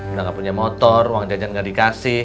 enggak punya motor uang janjan gak dikasih